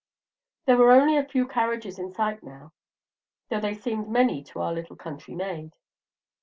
There were only a few carriages in sight now, though they seemed many to our little country maid.